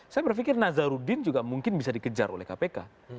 saya berpikir nazarudin juga mungkin bisa dikejar oleh kpk